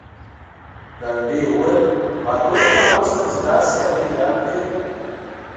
ګاونډي یې وویل: بهلوله ما غوښتل چې داسې هګۍ راکړې.